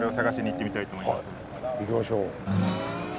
行きましょう。